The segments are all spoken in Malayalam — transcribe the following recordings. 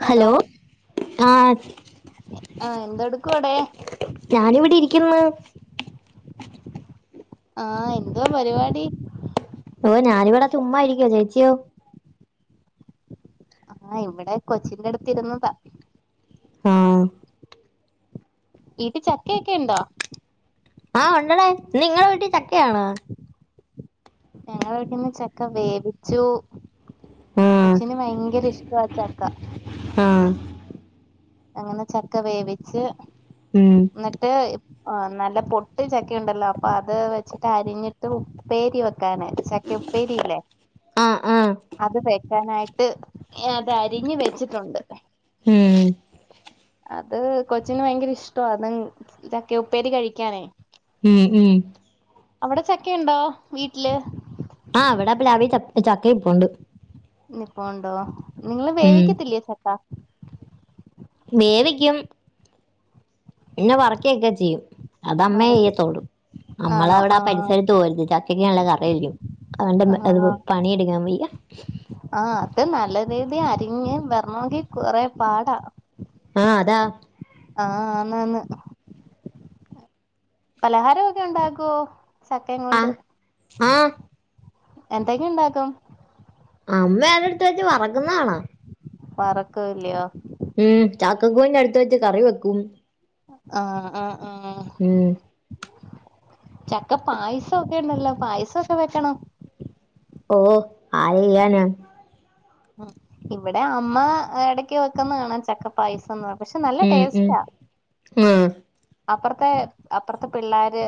ഹലോ ആ ആഹ് എന്തെടുക്കും ആടെ ഞാന് ഇവിടെ ഇരിക്കുന്ന് ആഹ് എന്തുവാ പരിപാടി ഓഹ് ഞാനിവിടെ ചുമ്മായിരിക്കുവോ ചേച്ചിയോ ആഹ് ഇവിടെ കൊച്ചിന്റെ അടുത്ത് ഇരുന്നതാ ആഹ് വീട്ടിൽ ചക്കയൊക്കെ ഉണ്ടോ ആഹ് ഉണ്ടടാ ഇന്ന് നിങ്ങളെ വീട്ടിൽ ചക്കയാണോ ഞങ്ങളെ വിടീന്ന് ചക്ക വേവിച്ചു ആ കൊച്ചിന് ഭയങ്കര ഇഷ്ട ചക്ക ആഹ് അങ്ങനെ ചക്ക വേവിച്ച് ഉം എന്നിട്ട് നല്ല പൊട്ട് ചക്ക ഉണ്ടല്ലോ അപ്പൊ അത് വെച്ചിട്ട് അരിഞ്ഞിട്ട് ഉപ്പേരി വെക്കാന ചക്ക ഉപ്പേരിയില്ലേ ആഹ് ആഹ് അത്തെക്കാനായിട്ട് അത് അരിഞ്ഞ് വെച്ചിട്ടുണ്ട് ഉം അത് കൊച്ചിന് ഭയങ്കര ഇഷ്ടആണ് അത് ചക്ക ഉപ്പേരി കഴിക്കാനേ ഉം ഉം ചക്കയുണ്ടോ വീട്ടില് ആഹ് ഇവിടെ പ്ലാവിൽ ചക്ക ഇരിപ്പുണ്ട് പ്പോണ്ടോ നിങ്ങള് ഉം. വേവിക്കത്തില്ലയേ ചക്കാ വേവിക്കും പിന്നെ വറെക്കിയൊക്കെ ചെയ്യും അത് അമ്മെ വറുകെ ചെയ്യത്തോള്ളൂ നമ്മളെ ആണോ അവിടെ ആ ആഹ് പരിസരത്ത് പോവരുത് ചക്കയ്ക്ക് നല്ല കറ ആയിരിക്കും അതിന്റെ അത് ആഹ് പണിയെടുക്കാൻ വയ്യ ആഹ് അത് നല്ല രീതി അരിഞ്ഞ് വരാണോങ്കി നല്ല കൊറെ പാടാ ആഹ് അതാ ആഹ് ആന്ന് ആന്ന് പലഹാരം ഒക്കെ ഉണ്ടാകുവോ ചക്കേം കൊണ്ട് ആഹ് എന്തൊക്കെയ ഇണ്ടാക്കും അമ്മേ അടുത്ത് വെച്ച് വറക്കുന്നതാണാ വറക്കുല്ലയോ ഉം ചാക്കക്കുരു അടുത്ത് വെച്ച് കറി വെക്കും ആഹ് ആഹ് ആഹ് ഉം ചക്ക പായസംക്കെ ഉണ്ടല്ലോ പായസമൊക്കെ വെക്കണം ഓഹ് ആര് ചെയാനാണ് ഉം ഇവിടെ അമ്മ ഇടക്ക് വെക്കുന്നതാണ് ചക്കപ്പായസം എന്ന് പറ ഉം ഉം ആഹ് അപ്പുറത്തെ അപ്പുറത്തെ പിള്ളോര്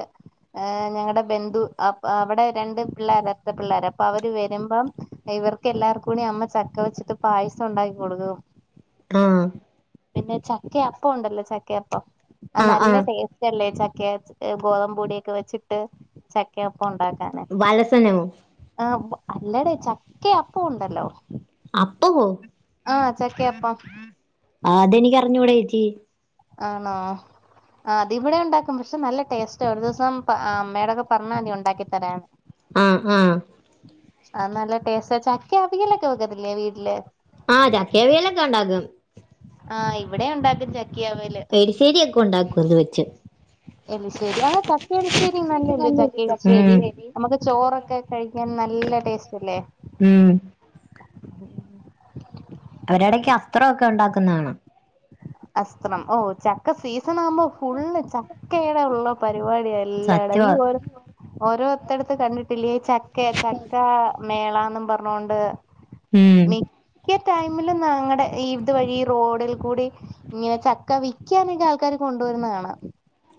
ഹ് ഞങ്ങളുടെ ബന്ധു അ അവിടെ രണ്ട് പിള്ളേർ അവിട്ത്ത പിള്ളേർ അപ്പൊ അവര് വരുമ്പം ഇവർക്കല്ലാവർക്കും കൂടി അമ്മ ചക്ക വെച്ചിട്ട് പായസം ഉണ്ടാക്കി കൊടുക്കും ആഹ് പിന്നെ ചക്ക അപ്പം ഉണ്ടല്ലോ ചക്കയപ്പം ആഹ് ആ ആ നല്ല ടേസ്റ്റ് അല്ലേ ചക്ക ഗോതമ്പ് പൊടിയൊക്കെ വെച്ചിട്ട് ചക്കപ്പം ഉണ്ടാക്കാന് [unintelligible] ആഹ് അല്ലടെ ചക്ക അപ്പണ്ടല്ലോ അപ്പാവോ ആഹ് ചക്കയപ്പം ആ അതെനിക്കറിഞ്ഞൂടെ ചേച്ചി ആണോ അതിവിടെ ഉണ്ടാക്കും പക്ഷെ നല്ല ടേസ്റ്റ് ഒരു ദിവസം അമ്മയടൊക്കെ പറഞ്ഞാ മതി ഉണ്ടാക്കി തരാൻ [unintelligible] ആഹ് ആഹ് ആ നല്ല ടേസ്റ്റ് ആ ചക്ക അവിയലൊക്കെ വെക്കത്തില്ലേ വീട്ടിൽ ആ ചക്കേവിയലൊക്കെ ഉണ്ടാക്കും ആഹ് ഇവിടെ ഉണ്ടാക്കും ചക്കിയാവര് പെരിശരിയക്കെ ഉണ്ടാക്കും അത് വെച്ച് എലിശരി ആഹ് ചക്ക എലിശരി നല്ലെ അല്ലെ ചക്ക എലിശരി നമുക്ക് ചോറൊക്കെ കഴിക്കാൻ നല്ല ടേസ്റ്റ് അല്ലേ ഉം അവരടയ്ക്ക് അത്രക്കെ ഉണ്ടാക്കുന്ന കാണാം [unintelligible] ഓ ചക്ക സീസൺ ആവുമ്പോ ഫുള്ള് ചക്കയുടെ ഉള്ള പരിപാടിയ അല്ലാട ഈ സത്യവാ വർ ഓരോത്തടുത്ത് കണ്ടിട്ടില്ല ചക്കെ ചക്ക മേളന്നും പറഞ്ഞോണ്ട് ഉം മിക്യാ ടൈമിലും ഞങ്ങടെ ഈ ഇത് വഴി റോഡിൽ കൂടി ഇങ്ങനെ ചക്ക വിക്കാനൊക്കെ ആൾക്കാര് കൊണ്ടുവരുന്ന കാണാം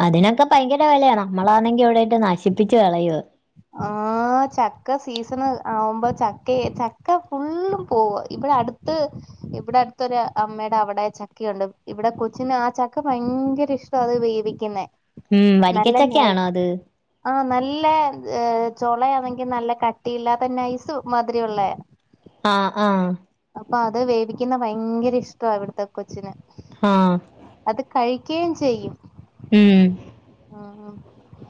അതിനൊക്കെ ഭയങ്കര വെലയാ നമ്മളാണെങ്കി ഇവിടെയിട്ട് നശിപ്പിച്ച് കളയ ആ ചക്ക സീസൺ ആവുമ്പോ ചക്കയെ ചക്ക ഫുള്ളും പോവ ഇവിടെ അടു [unintelligible] ഇവിടെ അടുത്തൊരു അമ്മയുടെ അവിടെ ചക്കയുണ്ട് ഇവിടെ കൊച്ചിന് ആ ചക്ക ഭയങ്കര ഇഷ് അത് വേവിക്കുന്ന ഉം വരിക്കച്ചക്കെ ആണോ അത് ആഹ നല്ല ചോളയാണെങ്കി നല്ല കട്ടിയില്ലാത്തെ തന്നെ നൈസ് മാതിരി ഉള്ള ആഹ് ആഹ് അപ്പൊ അത് വേവിക്കുന്ന ഭയങ്കര ഇഷ്ട്ടാ ഇവിടത്തെ കൊച്ചിന് ആഹ് അത് കഴികെയും ചെയ്യും ഉം ആഹ് ആഹ്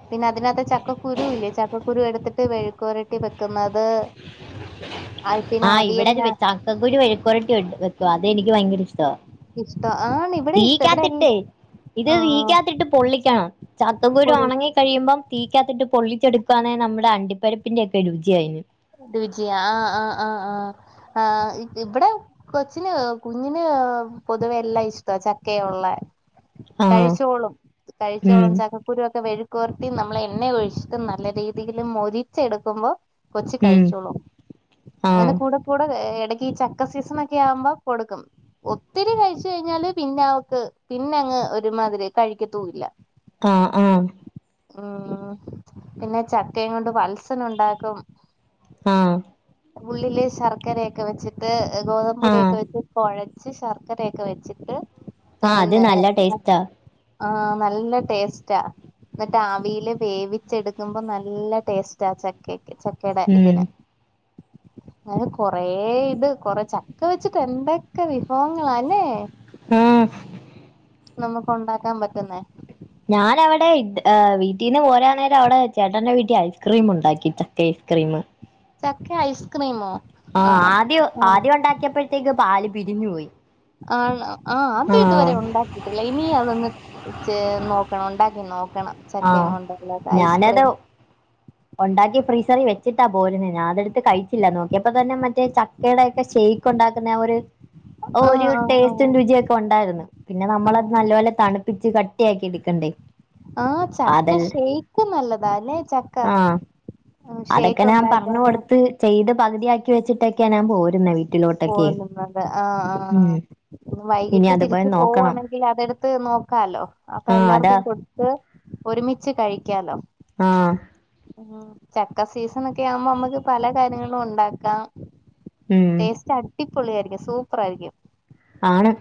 പിന്നെ അതിനകത്ത് ചക്കക്കുരു ഇല്ലേ ചക്കക്കുരു എടുത്തിട്ട് വെഴുക്കുരട്ടി വെക്കുന്നത് [unintelligible] ആഹ് ഇവിടെ അത് അവിയലിന വെചക്കക്കുരു വഴിക്കുവരട്ടി വെക്കും അതെനിക്ക് ഭയങ്കര ഇഷ്ട ഇഷ്ട ആണിം തീക്കാത്തിട്ട് ഇത് [unintelligible] ക്കാത്തിട്ട് പൊള്ളിക്കണം ചക്കകുരു ഒണങ്ങി കഴിയുമ്പം തീക്കാത്തിട്ട് പൊള്ളിച്ചടുകാന്നെ നമ്മുടെ അണ്ടിപര്പ്പിന്റെ ഒക്കെ രുചി ആയി രുചി ആ ആ ആ ആ ആ ഇ ഇവടെ കൊച്ചിന് കുഞ്ഞിന് പൊതുവെ എല്ലാം ഇഷ്ട ചക്കെ ഒള്ള ആ കഴിച്ചോളും ഉം, കഴിച്ചോളും ചക്ക കുരുവോക്കെ വെഴുക്കുവര്ട്ടി നമ്മളെ എണ്ണേ ഒഴിചിട്ട് നല്ല രീതീല് മൊരിച്ചെടുക്കുമ്പോ കൊച്ച് ഉം, കഴിചോളും ആ അങ്ങനെ കൂടെ കൂടെ എടക്ക് ഈ ചക്ക സീസണ് ഒക്കെ ആവുമ്പം കൊടുക്കും ഒത്തിരി കഴിച്ച് കഴിഞ്ഞാല് പിന്നെ അവക്ക് പിന്നെ അങ്ങ് ഒരുമാതിരി കഴിക്കത്തൂല്ല ആ ആ ഉം പിന്നെ ചക്കയും കൊണ്ട് വൽസന് ഉണ്ടാക്കും ആ ഉള്ളില് ശർക്കരയെക്ക വെച്ചിട്ട് ഗോതമ്പ് ആ പൊടിയൊക്കെ വച്ചി കൊഴച്ച് ശർക്കരയൊക്കെ വെച്ചിട്ട് ആ അത് നല്ല ടേസ്റ്റാ ആ നല്ല ടേസ്റ്റാ ന്നട്ട് ആവീല് വേവിച്ചെടുക്കുമ്പം നല്ല ടേസ്റ്റാ ചക്കയ്ക്ക് ച ക്കെടേ ഉം ഇതിന് അങ്ങനെ കൊറേ ഇത് കൊറെ ചക്ക വെച്ചിട്ട് എന്തേക്കെ വിഭവങ്ങളാല്ലേ ആഹ് നമുക്ക് ഒണ്ടാക്കാം പറ്റുന്നേ ഞാനവടെ ഇട്ട് ഏ വീട്ടീന്ന് പോരാ നേരം അവടെ ചേട്ടന്റെ വീട്ടി ഐസ്ക്രീം ഉണ്ടാക്കി ചക്ക ഐസ്ക്രീമ് ചക്ക ഐസ്ക്രീമോ ആ ആഹ് ആദ്യം ആഹ് ആദ്യം ഒണ്ടാക്കിയപ്പോഴത്തേക്ക് പാല് പിരിഞ്ഞു പോയി ആണ് ആ അത് ഇതുവരെ ആഹ് ഒണ്ടാക്കി [unintelligible] അതൊന്ന് ചെ നോക്കണം ഇണ്ടാക്കി നോക്കണം ചക്കേം ആഹ് കൊണ്ട്ള്ള ഐസ്ക്രീമ് ഒണ്ടാക്കി ഫ്രീസറി വെച്ചിട്ടാ പോരുന്നേ ഞാ അതെടുത്ത് കഴിച്ചില്ല നോക്കിയപ്പ തന്നെ മറ്റേ ച ക്കേടെക്ക ഷെയ്ക്ക് ഉണ്ടാക്കുന്നേ ആ ഒര് ആ! ഒര് ആ! ആ! ടേസ്റ്റും രുചിയൊക്കെ ഒണ്ടായ്ര്ന്ന്. പിന്നെ ആ! നമ്മളത് നല്ലോലെ തണു പ്പിച്ച് കട്ടിയാക്കി ഇട്ക്കണ്ടേ ആ ചക്ക ഷെയ്ക്കും നല്ലതാല്ലെ ച ആ അതക്ക ഞാം പർഞ് ഉണ്ടാക്കാനും കൊട്ത്ത് ചെയ്ത് പകുതിയാക്കി വെച്ചിട്ടൊക്കെയ ഞാൻ പോരുന്നെ വീട്ട് പോരുന്നത് ആ ആ ഇനി വൈകിട്ട് അതുപോലെ തിര്ച്ച് നോക്കണം പോവാണെങ്കി അതെട്ത്ത് നോക്കാലോ അപ്പൊ ആഹ് അതാ എല്ലാർക്കും കൊട് ത്ത് ഒരുമിച്ച് കഴിക്കാലോ ആഹ് ഉം ചക്ക സീസൺ ഒക്കെ ആവുമ്പോ നമ്മക്ക് പല കാര്യങ്ങളും ഒണ്ടാക്കാം ഉം അടിപൊളിയായിരിക്കും സൂപ്പറായിരിക്കും ആണ്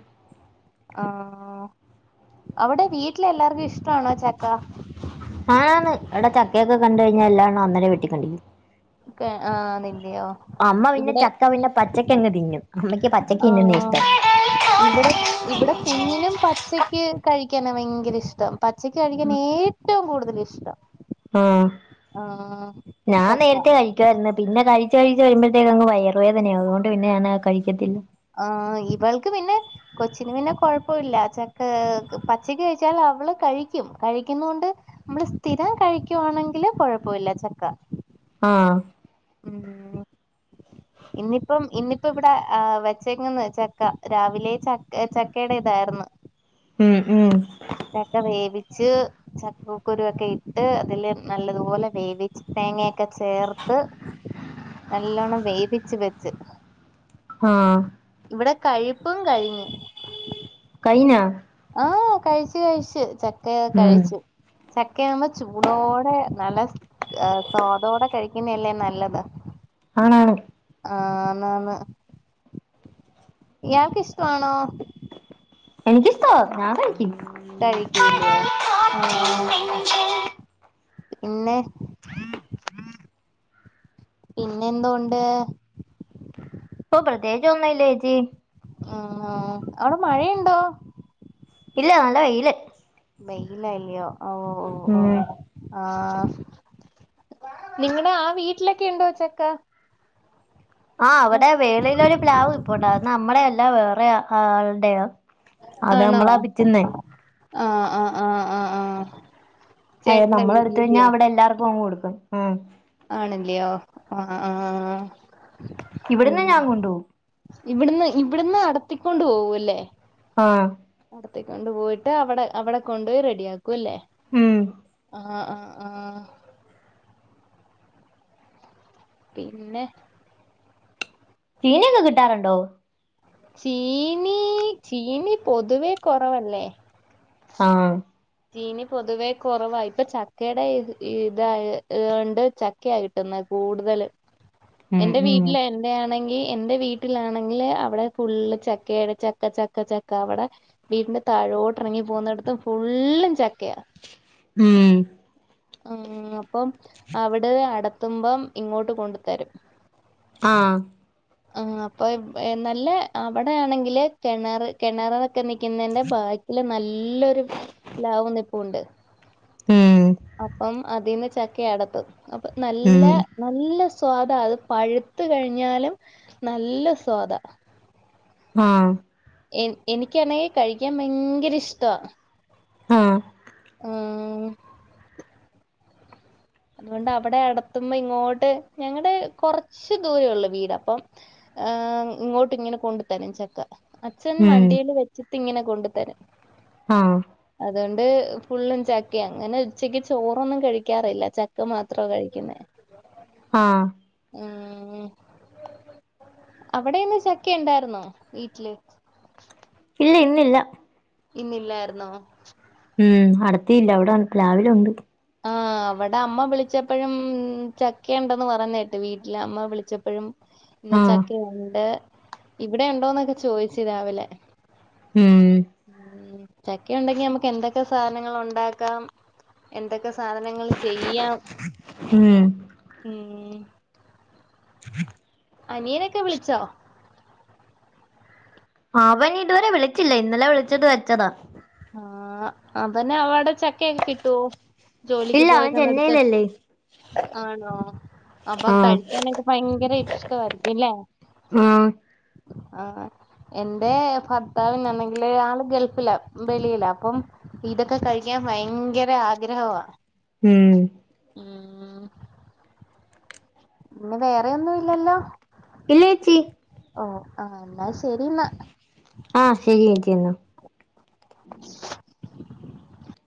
ആ അവടെ വീട്ടില് എല്ലാർക്കും ഇഷ്ടാണോ ചക്ക ആന്ന് ഇവടെ ചക്കേക്ക കണ്ട് കഴിഞ്ഞാ എല്ലാണോം അന്നേരേ വെട്ടി കണ്ടിക്കും ഒക്കെ ആ നിന്റെയോ? അമ്മ പിന്നെ ഇവിടെ ചക്ക പിന്നെ പ പച്ചക്ക് അങ്ങ് തിന്നും അമ്മക്ക് പച്ചക്ക് തിന്ന്ന്നേ ആ ഇഷ്ടം ഇവിടെ ഇവിടെ കുഞ്ഞിനും പച്ചക്ക് കഴിക്കാനാ ഭയങ്കര ഇഷ്ടം പച്ചക്ക് കഴിക്കാനെ ഏറ്റവും കൂടുതൽ ഇഷ്ടം ആഹ് ആഹ് ഞാൻ ചക്ക. നേര്ത്തെ കഴി കഴിക്കു ആര്ന്ന് പിന്നെ കഴിച്ച് കഴിച്ച് വരുമ്പഴത്തേക്കങ്ങ് വയറുവേദനയാകും അതുകൊണ്ട് പിന്നെ ഞാനത് കഴിക്കത്തില്ല ആഹ് ഇവൾക്ക് പിന്നെ കൊച്ചിന് പിന്നെ കൊഴപ്പ ഇല്ല ചക്ക് ക്ക് പച്ചക്ക് കഴിച്ചാൽ അവള് കഴിക്കും കഴിക്കുന്നോണ്ട് നമ്മള് സ്ഥിരം കഴിക്കുവാണെങ്കില് കൊഴപ്പമില്ല ചക്ക ആഹ് ഉം ഇന്നിപ്പം ഇന്നിപ്പ ഇവടെ ആ വെച്ചേക്കുന്നന്ന് ചക്ക രാവിലെ ചക്ക് ഏ ചക്കയുടെ ഇതാരുന്ന് ഉം ഉം ചക്ക വേവിച്ച് ചക്കക്കുരു ഒക്കെ ഇട്ട് അതില് നല്ലതുപോലെ വേവിച്ച് തേങ്ങയൊക്കെ ചേർത്ത് നല്ലോണ്ണം വേവിച്ച് വെച്ച് ആഹ് ഇവിട കഴിപ്പും കഴിഞ്ഞ് കഴിഞ്ഞാ ആഹ് കഴിച്ചു കഴിച്ചു ചക്കയ ഉം കഴിച്ചു ചക്ക ആകുമ്പോൾ ചൂടോടെ നല്ല സ്വാദോടെ കഴിക്കുന്നല്ലേ നല്ലത് ആണാണ് ആഹ് ആന്ന് ആന്ന് ഇയാൾക്ക് ഇഷ്ടമാണോ [inaudible] കഴിക്കൂലോ ആഹ് പിന്നെ പിന്നെ എന്തോണ്ട് ഇപ്പൊ പ്രത്യേകിച്ചോന്നും ഇല്ലേച്ചി ഉം അവിടെ മഴയുണ്ടോ ഇല്ല നല്ല വെയില് വെയ്ലായിപ്പോ ഉം ആഹ് നിങ്ങടെ ആ വീട്ടിലൊക്കെ ഉണ്ടോ ച്ചക്ക ആ അവിടെ വേളയിലോരു പ്ലാവ് നിപ്പോണ്ട് അത് നമ്മുടെയല്ല വേറെ ആളുടെയോ ആണോ ആഹ് ആഹ് ആഹ് ആഹ് ആഹ് അതത് ചേട്ടന്റെ നമ്മള എടുത്ത കഴിഞ്ഞാൽ വീട്ടിലില്ലയോ അവിടെ എല്ലാർക്കും അങ്ങ് കൊടുക്കും ഉം ആണല്ലയോ ആഹ് ആഹ് ആഹാ ഉം ഇവിടുന്ന് ഞാൻ കൊണ്ടുപോകും ഇവിടുന്ന് ഇവിടുന്ന് നടത്തിക്കൊണ്ട് പോക അല്ലേ ആഹ് അവിടത്തേക്ക കൊണ്ട്പോയിട്ട് അവിടെ അവിടെ കൊണ്ടുപോയി റെഡിയാക്കും അല്ലേ ഉം ആഹ് ആ ആഹ് പിന്നെ ചീനിയൊക്കെ കിട്ടാറുണ്ടോ ചീനി ചീനി പൊതുവേ കുറവല്ലേ ആഹ് ചീനി പൊതുവേ കുറവാ ഇപ്പൊ ചക്കയുടെ ഇതായി ഇതൊണ്ട് ച കിട്ടുന്ന കൂടുതല് ഉം എന്റെ ഉം വീട്ടില ആണെങ്കിൽ എന്റെ വീട്ടിലാണെങ്കില് അവിടെ ഫുള്ള് ചക്കയുടെ ചക്ക ചക്ക ചക്ക അവിടെ വീടിന്റെ താഴോട്ട് ഇറങ്ങി പോകുന്നിടത്ത് ഫുള്ളും ചക്കയാ ഉം ഉം അപ്പം അവിടെ അടത്തുമ്പം ഇങ്ങോട്ട് കൊണ്ടു തരും [inaudible] ആഹ് ആ ഹ്അപ്പൊ നല്ല അവിടെയാണെങ്കില് കിണർ കിണറൊക്കെ നിക്കുന്നതിന്റെ ബാക്കില് നല്ലൊരു പ്ലാവ് പൂണ്ട് ഉം അപ്പം അതിന്ന് ചക്ക അടത്തും അപ്പൊ നല്ല ഉം നല്ല സ്വാദാ അത് പഴുത്ത് കഴിഞ്ഞാലും നല്ല സ്വാദ ആഹ് എ എനിക്കാണെങ്കിൽ കഴിക്കാൻ ഭയങ്കര ഇഷ്ട ആഹ് അതുകൊണ്ട് അവിടെ അടത്തുമ്പോ ഇങ്ങോട്ട് ഞങ്ങളടെ കുറച്ച് ദൂരം ഉള്ളു വീട് അപ്പം ആഹ് ഇങ്ങോട്ട് ഇങ്ങനെ കൊണ്ടു തരും ചക്ക അച്ഛൻ ഉം വണ്ടിയില് വെച്ചിട്ട് ഇങ്ങനെ കൊണ്ടു തരും ആഹ് അതുകൊണ്ട് ഫുള്ളും ചക്ക അങ്ങനെ ഉച്ചക്ക് ചോറൊന്നും കഴിക്കാറില്ല ചക്ക മാത്ര കഴിക്കുന്നേ ആഹ് ആഹ് അവിടെന്ന് ചക്ക ഉണ്ടായിരുന്നോ വീട്ടില് ഇല്ല ഇന്നില്ല ഇന്നില്ലായിരുന്നോ ഉം അടത്തിയില്ല അവിടെ പ്ലാവില് ഉണ്ട് ആഹ് അവിടെ അമ്മ വിളിച്ചപ്പോഴും ചക്ക ഉണ്ടന്ന് പറഞ്ഞേ കേട്ട് വീട്ടില് അമ്മ വിളിച്ചപ്പോഴും ഇന്ന് ആഹ് ചക്കെ ഉണ്ട് ഇവിടെ ഉണ്ടോന്നൊക്കെ ചോയിച്ചു രാവിലെ ഉം ഉ ചക്ക ഉണ്ടെങ്കി നമുക്ക് എന്തൊക്കെ സാധനങ്ങൾ ഉണ്ടാക്കാം എന്തൊക്കെ സാധനങ്ങൾ ചെയ്യാം ഉം ഉ [inaudible] അനിയനൊക്കെ വിളിച്ചോ അവൻ ഇതുവരെ വിളിച്ചില്ല ഇന്നലെ വിളിച്ചിട്ട് വെച്ചതാ ആഹ് അവന് അവടെ ചക്കയൊക്കെ കിട്ടുവോ ജോലിക്ക് ഇല്ല അവൻ പോയേക്കന്നടുത്ത് ചെന്നൈയിലല്ലേ ആണോ അപ്പൊ ആഹ് കഴിക്കാനൊക്കെ ഭയങ്കര ഇഷ്ടമായിരിക്കുംല്ലേ ആഹ് ആഹ് എന്റെ ഭർത്താവന്നാണെങ്കില് ആള് ഗൾഫില ബളിയില്ല അപ്പം ഇതൊക്കെ കഴിക്കാൻ ഭയങ്കര ആഗ്രഹമാണ് ഉം ഉം പിന്നെ വേറെയൊന്നും ഇല്ലല്ലോ ഇല്ലേച്ചി ഓ ആഹ് എന്നാ ശരിന്നാ ആഹ് ശെരി ചേച്ചി എന്നാ [unintelligible]